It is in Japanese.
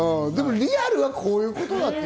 リアルはこういうことだって。